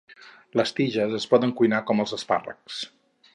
Les tiges es poden cuinar com els espàrrecs.